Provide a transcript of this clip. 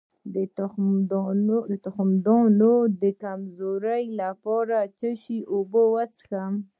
د تخمدان د کمزوری لپاره د څه شي اوبه وڅښم؟